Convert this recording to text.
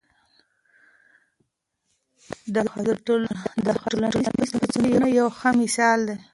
د ښځو ټولنیز پاڅونونه یو ښه مثال دی.